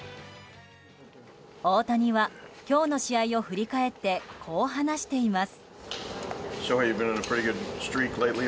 大谷は今日の試合を振り返ってこう話しています。